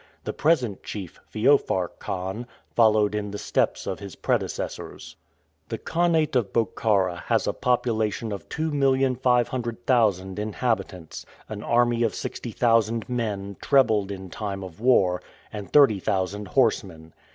The present chief, Feofar Khan, followed in the steps of his predecessors. The khanat of Bokhara has a population of two million five hundred thousand inhabitants, an army of sixty thousand men, trebled in time of war, and thirty thousand horsemen.